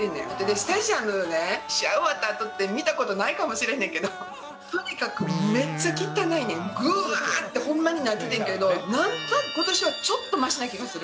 スタジアムって、試合終わったあとって見たことないかもしれないけど、とにかくめっちゃ汚いねん、ぐわーってなってたんだけど、ことしはちょっとましな気がする。